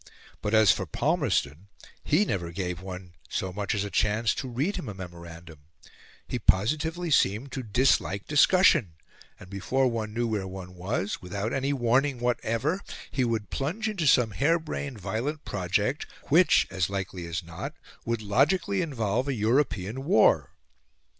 But as for Palmerston, he never even gave one so much as a chance to read him a memorandum, he positively seemed to dislike discussion; and, before one knew where one was, without any warning whatever, he would plunge into some hare brained, violent project, which, as likely as not, would logically involve a European war.